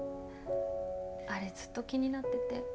あれずっと気になってて。